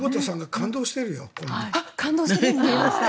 感動しているように見えました？